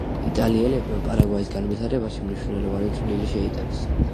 იტალიელებმა პარაგვაის განვითარებაში მნიშვნელოვანი წვლილი შეიტანეს.